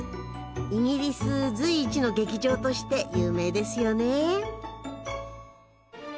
イギリス随一の劇場として有名ですよね。